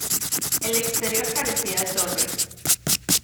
El exterior carecía de torres.